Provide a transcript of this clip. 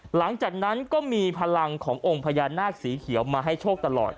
หลังจากนั้นก็มีพลังขององค์พญานาคสีเขียวมาให้โชคตลอด